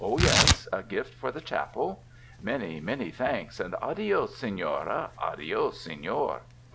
yes, a gift for the chapel? Many, many thanks ; and adios, Sefiora ; adios, Seiior.